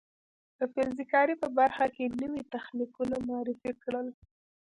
د فلز کارۍ په برخه کې نوي تخنیکونه معرفي کړل.